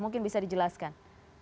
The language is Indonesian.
mungkin bisa dijelaskan